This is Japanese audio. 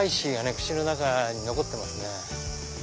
口の中に残ってますね。